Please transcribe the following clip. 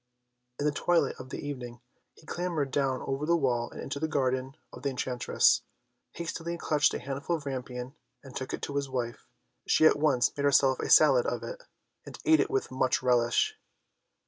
In the twilight of the evening, he clambered down over the wall into the garden of the enchantress, hastily clutched a handful of rampion, and took it to his wife. She at once made herself a salad of it, and ate it with much relish.